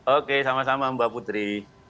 oke sama sama mbak putri